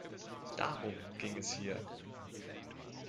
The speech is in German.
Darum ging es hier!